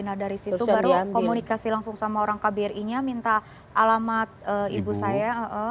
nah dari situ baru komunikasi langsung sama orang kbri nya minta alamat ibu saya